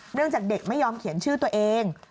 เรื่องจากเด็กไม่ยอมเขียนชื่อตัวเอง